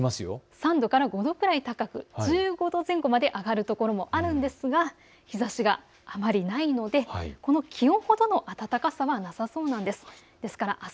３度から５度ぐらい高く１５度前後まで上がる所もありますが日ざしがあまりないのでこの気温ほどの暖かさはなさそうです。